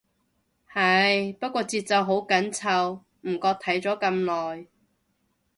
係，不過節奏好緊湊，唔覺睇咗咁耐